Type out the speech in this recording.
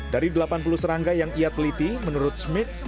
dari delapan puluh serangga yang ia teliti menurut smith